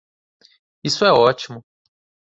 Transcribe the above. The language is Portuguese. Isso é ótimo!